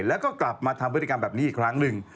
แล้วก็กลับมาทำพฤติกรรมแบบนี้อีกครั้งหนึ่ง